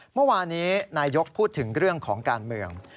เมื่อวานี้นายกพูดถึงเรื่องของการเมือง